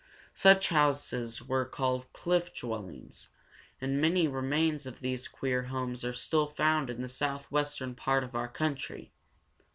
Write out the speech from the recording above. Such houses were called cliff dwellings, and many remains of these queer homes are still found in the southwestern part of our country.